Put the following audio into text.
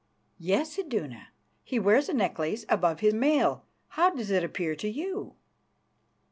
"Yes, Iduna, he wears a necklace above his mail. How does it appear to you?"